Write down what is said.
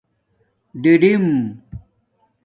ڈِڈِم